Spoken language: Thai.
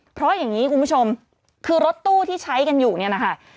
เพราะอย่างนี้คุณผู้ชมคือรถตู้ที่ใช้กันอยู่เนี่ยนะคะ